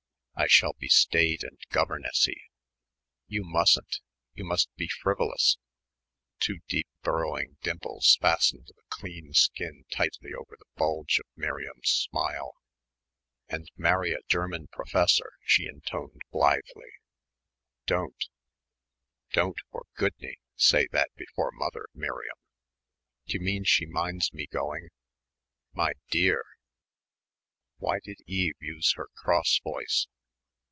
"I shall be staid and governessy." "You mustn't. You must be frivolous." Two deeply burrowing dimples fastened the clean skin tightly over the bulge of Miriam's smile. "And marry a German professor," she intoned blithely. "Don't don't for goodney say that before mother, Miriam." "D'you mean she minds me going?" "My dear!" Why did Eve use her cross voice?